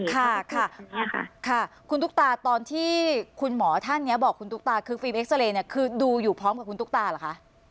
ค่ะค่ะคุณตุ๊กตาตอนที่คุณหมอท่านนี้บอกคุณตุ๊กตาคือฟิล์เอ็กซาเรย์เนี่ยคือดูอยู่พร้อมกับคุณตุ๊กตาเหรอคะ